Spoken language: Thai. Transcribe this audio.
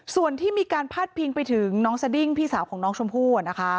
ส่วนที่มีการพาดพิงไปถึงน้องสดิ้งพี่สาวของน้องชมพู่